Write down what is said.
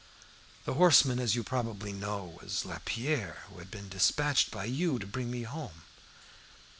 The horseman, as you probably know, was Lapierre, who had been despatched by you to bring me home.